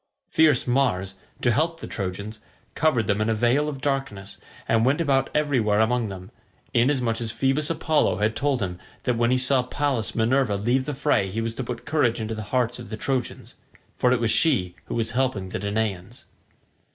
Fierce Mars, to help the Trojans, covered them in a veil of darkness, and went about everywhere among them, inasmuch as Phoebus Apollo had told him that when he saw Pallas Minerva leave the fray he was to put courage into the hearts of the Trojans—for it was she who was helping the Danaans.